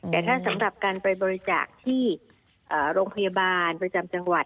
แต่ถ้าสำหรับการไปบริจาคที่โรงพยาบาลประจำจังหวัด